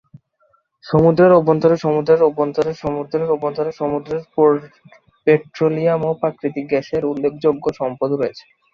সমুদ্রের অভ্যন্তরে সমুদ্রের অভ্যন্তরে সমুদ্রের অভ্যন্তরে সমুদ্রের পেট্রোলিয়াম ও প্রাকৃতিক গ্যাসের উল্লেখযোগ্য সম্পদ রয়েছে।